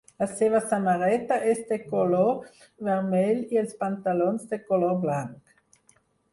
La seva samarreta és de color vermell i els pantalons de color blanc.